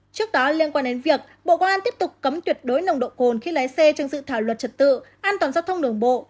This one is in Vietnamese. trước đó liên quan đến việc bộ công an tiếp tục cấm tuyệt đối nồng độ cồn khi lái xe trong dự thảo luật trật tự an toàn giao thông đường bộ